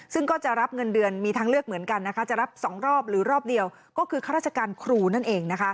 ซึ่งก็จะรับเงินเดือนมีทางเลือกเหมือนกันจะรับ๒รอบหรือรอบเดียวก็คือข้าราชการครูนั่นเอง